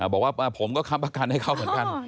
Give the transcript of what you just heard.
บอกว่าผมก็ค้ำประกันให้เขาเหมือนกัน